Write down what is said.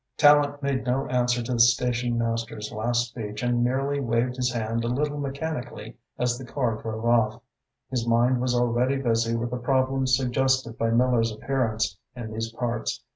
Tallente made no answer to the station master's last speech and merely waved his hand a little mechanically as the car drove off. His mind was already busy with the problem suggested by Miller's appearance in these parts.